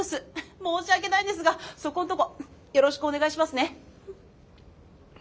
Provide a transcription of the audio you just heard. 申し訳ないんですがそこんとこよろしくお願いしますね。